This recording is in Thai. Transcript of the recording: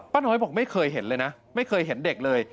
น้อยบอกไม่เคยเห็นเลยนะไม่เคยเห็นเด็กเลย